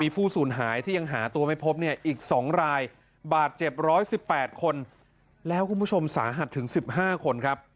ผู้สูญหายที่ยังหาตัวไม่พบเนี่ยอีก๒รายบาดเจ็บ๑๑๘คนแล้วคุณผู้ชมสาหัสถึง๑๕คนครับ